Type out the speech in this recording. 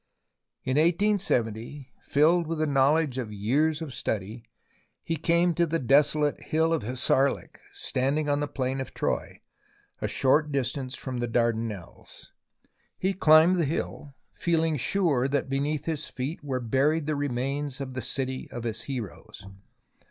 In 1870, filled with the knowledge of years of study, he came to the desolate Hill of Hissarlik standing on the Plain of Troy, a short distance from the Dardanelles. He climbed the hill, feeling sure that beneath his feet were buried the remains of the city of his heroes.